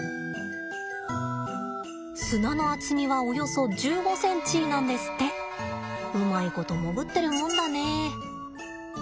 砂の厚みはおよそ１５ｃｍなんですってうまいこと潜ってるもんだね。